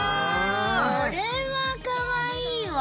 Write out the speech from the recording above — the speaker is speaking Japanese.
これはかわいいわ！